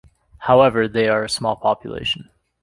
However, they are a small population.